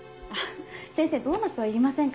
先生ドーナツはいりませんか？